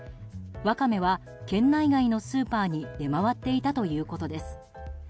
ワカメは県内外のスーパーに出回っていたということです。